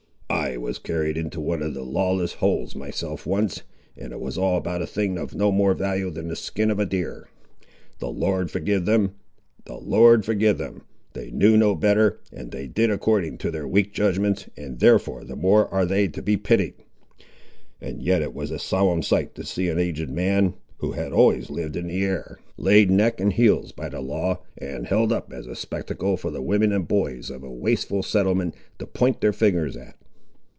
I was carried into one of the lawless holes myself once, and it was all about a thing of no more value than the skin of a deer. The Lord forgive them!—the Lord forgive them!—they knew no better, and they did according to their weak judgments, and therefore the more are they to be pitied; and yet it was a solemn sight to see an aged man, who had always lived in the air, laid neck and heels by the law, and held up as a spectacle for the women and boys of a wasteful settlement to point their fingers at!"